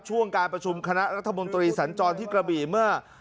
ช่วงการประชุมคณะรัฐมนตรีสัญจรที่กระบี่เมื่อ